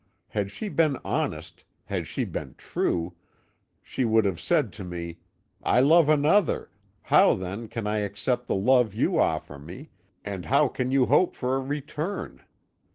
Had she been honest, had she been true, she would have said to me: 'I love another; how, then, can I accept the love you offer me, and how can you hope for a return?